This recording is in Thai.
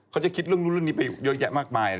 ก็จะคิดเรื่องรู้นี้ไปยกแยะมากมาย